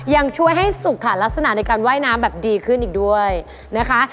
ยังช่วยให้สุกค่ะลักษณะในการว่ายน้ำแบบดีขึ้นอีกด้วยนะคะ